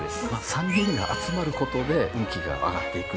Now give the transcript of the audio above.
３人が集まることで運気が上がっていく。